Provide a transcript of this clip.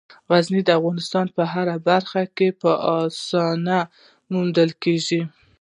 غزني د افغانستان په هره برخه کې په اسانۍ موندل کېږي.